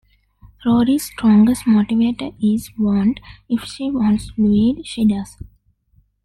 Rory's strongest motivator is want - if she wants to do it, she does.